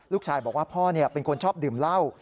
ลูกชายบอกว่าพ่อเป็นคนชอบดื่มเหล้า